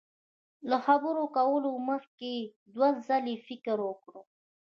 له خبرو کولو مخ کي دوه ځلي فکر وکړه